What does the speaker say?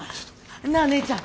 なっ姉ちゃん！